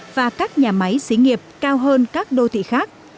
và các nhà máy xí nghiệp cao hơn các đô thị khác